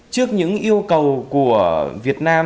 trước những yêu cầu của việt nam